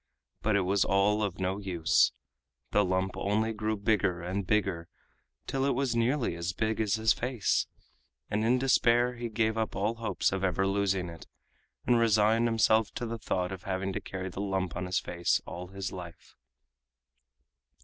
But it was all of no use. The lump only grew bigger and bigger till it was nearly as big as his face, and in despair he gave up all hopes of ever losing it, and resigned himself to the thought of having to carry the lump on his face all his life.